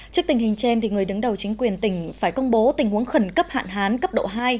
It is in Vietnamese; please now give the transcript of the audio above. trước tình hình trên người đứng đầu chính quyền tỉnh phải công bố tình huống khẩn cấp hạn hán cấp độ hai